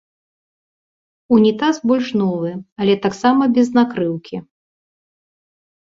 Унітаз больш новы, але таксама без накрыўкі.